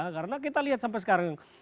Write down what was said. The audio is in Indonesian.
karena kita lihat sampai sekarang